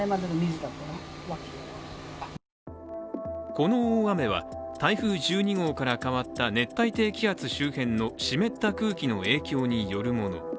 この大雨は、台風１２号から変わった熱帯低気圧周辺の湿った空気の影響によるもの。